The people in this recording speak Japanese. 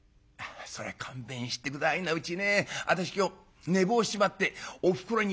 「そりゃ勘弁して下はいなうちね私今日寝坊しちまっておふくろにダン！